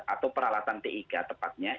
atau peralatan tiga tepatnya